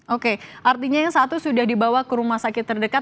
oke artinya yang satu sudah dibawa ke rumah sakit terdekat